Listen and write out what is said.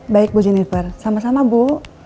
baik bu jennifer sama sama bu